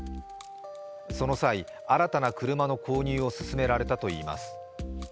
その際、新たな車の購入を勧められたといいます。